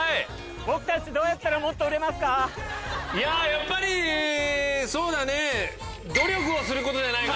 やっぱりそうだね。